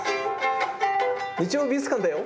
『日曜美術館』だよ！」